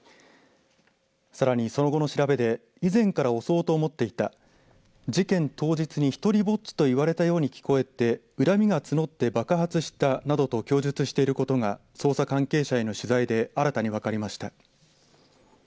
さらにその後の調べで以前から襲おうと思っていた事件当日に、独りぼっちと言われたように聞こえて恨みが募って爆発したなどと供述していることが捜査関係者への取材で新たに分かりました。